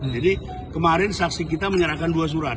jadi kemarin saksi kita menyerahkan dua surat